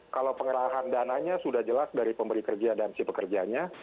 kalau pengerahan dananya sudah jelas dari pemberi kerja dan si pekerjanya